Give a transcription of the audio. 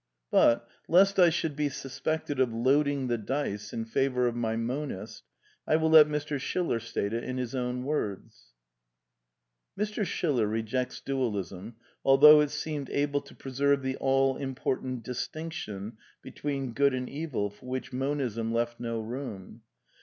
But, lest I should be suspected of loading the dice in favour of my monist, I will let Mr. Schiller state it in his own words. (Mr. Schiller rejects Dualism, although it ^^ seemed able to preserve the all important distinction between good and evil, for which Monism left no room."